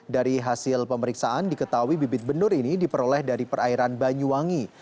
dari hasil pemeriksaan diketahui bibit benur ini diperoleh dari perairan banyuwangi